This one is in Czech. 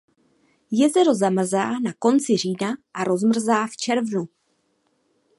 Jezero zamrzá na konci října a rozmrzá v červnu.